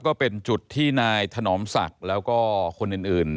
ก็เป็นจุดที่นายถนอมศักดิ์แล้วก็คนอื่น